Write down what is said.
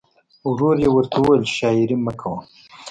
ورور یې ورته وویل چې شاعري مه کوه